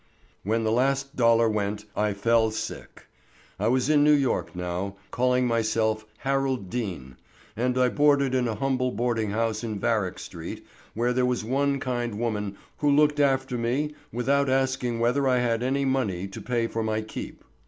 When the last dollar went, I fell sick. I was in New York now, calling myself Harold Deane, and I boarded in a humble boarding house in Varick street where there was one kind woman who looked after me without asking whether I had any money to pay for my keep.